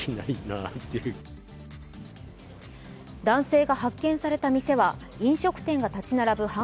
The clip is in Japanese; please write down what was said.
男性が発見された店は飲食店が立ち並ぶ